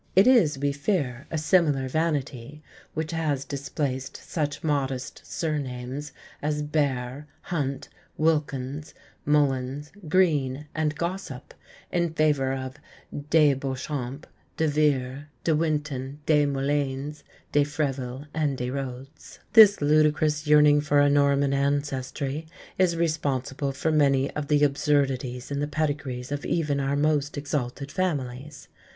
It is, we fear, a similar vanity which has displaced such modest surnames as Bear, Hunt, Wilkins, Mullins, Green, and Gossip in favour of De Beauchamp, De Vere, De Winton, De Moleyns, De Freville, and De Rodes. This ludicrous yearning for a Norman ancestry is responsible for many of the absurdities in the pedigrees of even our most exalted families.